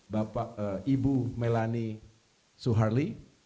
bapak ibu melani suharli